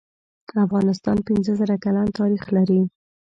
افغانستان پنځه زره کلن تاریخ لری